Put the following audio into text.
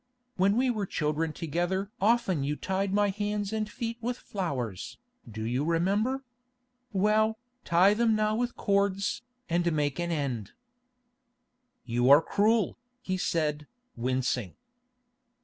When we were children together often you tied my hands and feet with flowers, do you remember? Well, tie them now with cords, and make an end." "You are cruel," he said, wincing.